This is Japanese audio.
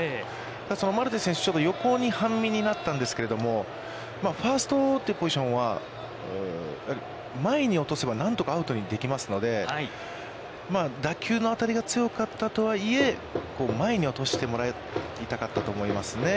そのマルテ選手、横に半身になったんですけれども、ファーストというポジションは、前に落とせば何とかアウトにできますので、打球の当たりが強かったとはいえ、前に落としてもらいたかったと思いますね。